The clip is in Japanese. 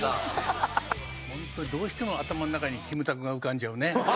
ホントにどうしても頭の中にキムタクが浮かんじゃうね。